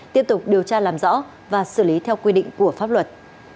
tiếp tục điều tra làm rõ và xử lý theo quy định của pháp luật